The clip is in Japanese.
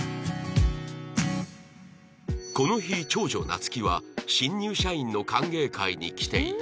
この日長女夏希は新入社員の歓迎会に来ていた